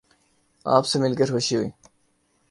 آپ سے مل کر خوشی ہوئی